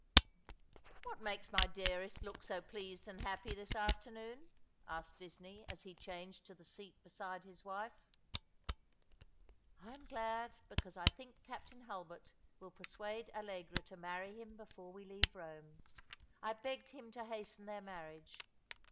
" What makes my dearest look so pleased and happy this afternoon ?" asked Disney, as he changed to the seat beside his wife. " I am glad because I think Captain Hulbert will persuade Allegra to marry him before we leave Eome. I begged him to hasten their marriage.